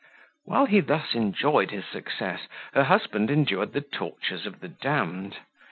While he thus enjoyed his success, her husband endured the tortures of the damned.